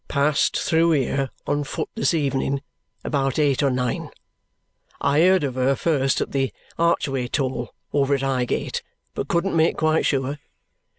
"Passed through here on foot this evening about eight or nine. I heard of her first at the archway toll, over at Highgate, but couldn't make quite sure.